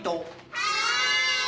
はい！